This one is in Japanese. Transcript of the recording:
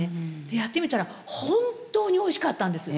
でやってみたら本当においしかったんです。